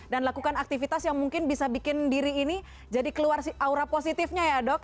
dan lakukan aktivitas yang mungkin bisa bikin diri ini jadi keluar aura positifnya ya dok